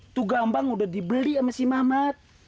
itu gampang udah dibeli sama si mamat